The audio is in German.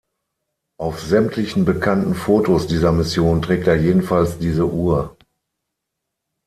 Auf sämtlichen bekannten Fotos dieser Mission trägt er jedenfalls diese Uhr.